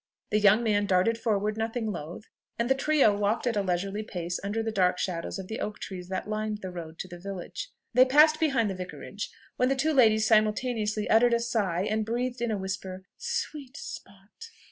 The young man darted forward nothing loth, and the trio walked at a leisurely pace under the dark shadows of the oak trees that lined the road to the village. They passed behind the Vicarage; when the two ladies simultaneously uttered a sigh, and breathed in a whisper, "Sweet spot!"